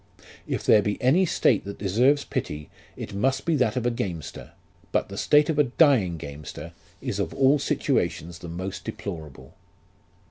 If there be any state that deserves pity, it must be that of a gamester ; but the state of a dying gamester is of all situations the most deplorable.